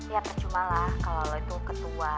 ya percumalah kalau lo itu ketua